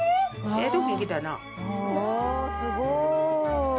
おすごい。